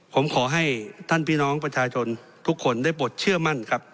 ผมขอให้ท่านพี่น้องประชาชนทุกคนได้ปลดเชื่อมั่นครับ